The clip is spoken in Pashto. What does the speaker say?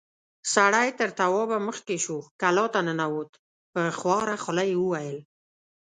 سړی تر توابه مخکې شو، کلا ته ننوت، په خواره خوله يې وويل: